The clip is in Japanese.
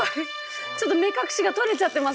ちょっと目隠しが取れちゃってます。